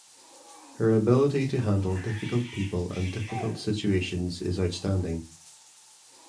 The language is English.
Her ability to handle difficult people and difficult situations is outstanding.